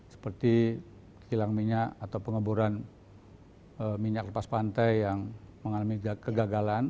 seperti kilang minyak atau pengemburan minyak lepas pantai yang mengalami kegagalan